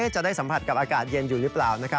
จะได้สัมผัสกับอากาศเย็นอยู่หรือเปล่านะครับ